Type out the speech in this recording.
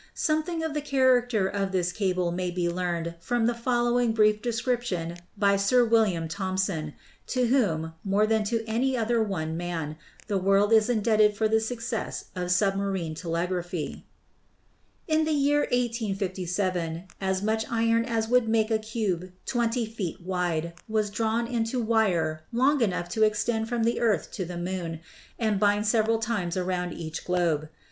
Something of the character of this cable may be learned from the following brief description by Sir William Thomson, to whom, more than to any other one man, the world is indebted for the success of submarine tele graphy : "In the year 1857 as much iron as would make a cube twenty feet wide was drawn into wire long enough to extend from the earth to the moon, and bind several times around each globe.